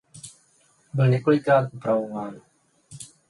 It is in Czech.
Byl několikrát upravován.